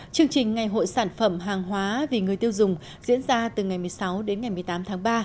chương trình ngày hội sản phẩm hàng hóa vì người tiêu dùng diễn ra từ ngày một mươi sáu đến ngày một mươi tám tháng ba